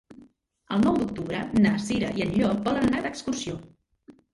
El nou d'octubre na Cira i en Llop volen anar d'excursió.